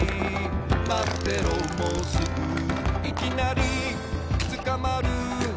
「まってろもうすぐ」「いきなりつかまる」